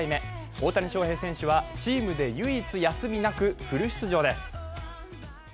大谷翔平選手はチームで唯一休みなくフル出場です。